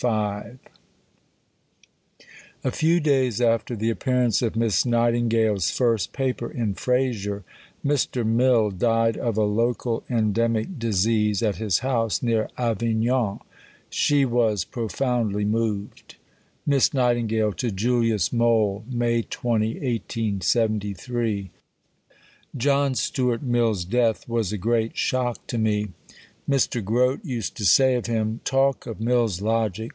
IV A few days after the appearance of Miss Nightingale's first Paper in Fraser, Mr. Mill died of a "local endemic disease" at his house near Avignon. She was profoundly moved: (Miss Nightingale to Julius Mohl.) May 20 . John Stuart Mill's death was a great shock to me. Mr. Grote used to say of him "Talk of Mill's Logic!